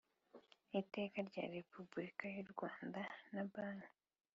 iteka rya Repubulika y u Rwanda na Banki